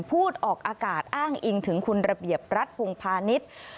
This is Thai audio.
พูดออกอากาศอ้างอิงถึงคุณระเบียบรัฐพงพาณิชย์